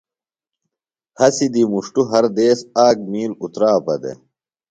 ہسی دی مُݜٹوۡ ہر دیس آک مِیل اُتراپہ دےۡ۔